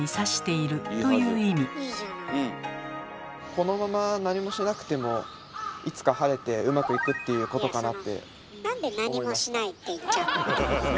このままなにもしなくてもいつか晴れてうまくいくっていうことかなって思いました。